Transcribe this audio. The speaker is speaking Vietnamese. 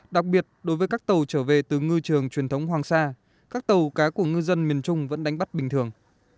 đặc biệt đối với các tàu trở về từ ngư trường truyền thống hoàng sa các tàu cá của ngư dân miền trung vẫn đánh bắt bình thường